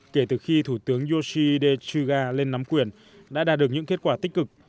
kể từ khi thủ tướng yoshide chuga lên nắm quyền đã đạt được những kết quả tích cực